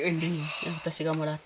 私がもらった